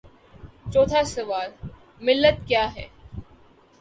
چوتھا سوال: ملت کیاہے؟